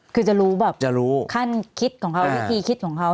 คือจะรู้ขั้นคิดของเขาที่คิดของเขา